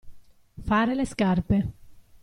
Fare le scarpe.